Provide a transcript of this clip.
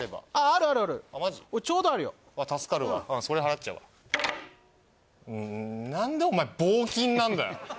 あるあるあるちょうどあるよ助かるわそれで払っちゃうわ何でおまえ棒金なんだよ